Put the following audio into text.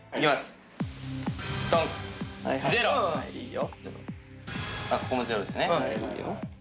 行きますよ！